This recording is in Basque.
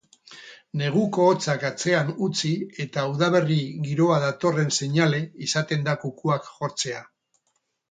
Neguko hotzak atzean utzi eta udaberri giroa datorren seinale izaten da kukuak jotzea.